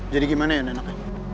jadi gimana ya nenek